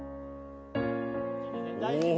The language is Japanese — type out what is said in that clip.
大事にね